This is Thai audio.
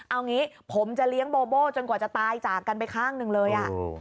เอางี้ผมจะเลี้ยงโบโบ้จนกว่าจะตายจากกันไปข้างหนึ่งเลย